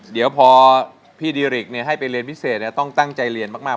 เดี๋ยวพอพี่ดิริกให้ไปเรียนพิเศษต้องตั้งใจเรียนมาก